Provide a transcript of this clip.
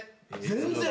「全然」？